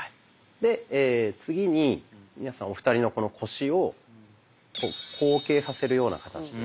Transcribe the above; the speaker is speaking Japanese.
で次に皆さんお二人のこの腰をこう後傾させるような形で。